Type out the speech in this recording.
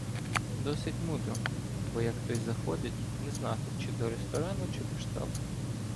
Досить мудро, бо, як хтось заходить, не знати, чи до ресторану, чи до штабу.